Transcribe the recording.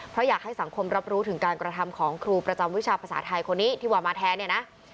เพราะอยากให้สังคมรับรู้ถึงการกระทำของครูประจำวิชาภาษาไทยคนนี้ที่ว่ามาแทนเนี่ยนะ